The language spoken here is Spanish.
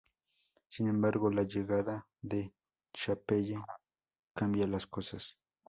Sin embargo, la llegada de Chappelle cambia las cosas.